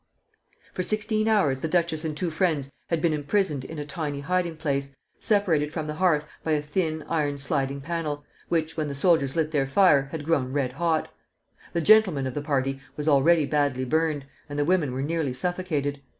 For sixteen hours the duchess and two friends had been imprisoned in a tiny hiding place, separated from the hearth by a thin iron sliding panel, which, when the soldiers lit their fire, had grown red hot. The gentleman of the party was already badly burned, and the women were nearly suffocated.